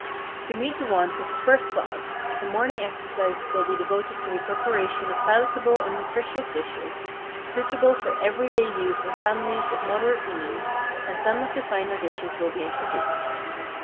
To meet the wants of the first class, the morning exercises will be devoted to the preparation of palatable and nutritious dishes, suitable for every day use in families of moderate means, and some of the finer dishes will be introduced.